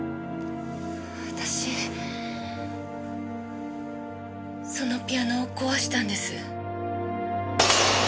私そのピアノを壊したんです。